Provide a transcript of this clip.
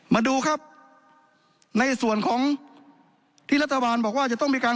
มาดูครับในส่วนของที่รัฐบาลบอกว่าจะต้องมีการ